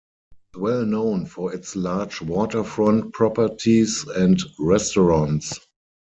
It's well known for its large waterfront properties and restaurants.